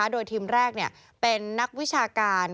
โดยทีมแรกเป็นนักวิชาการ